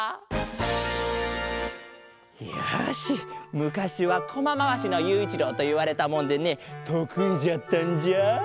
むかしはコマまわしのゆういちろうといわれたもんでねとくいじゃったんじゃ！